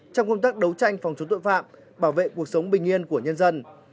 trong công tác đấu tranh phòng chống tội phạm bảo vệ cuộc sống bình yên của nhân dân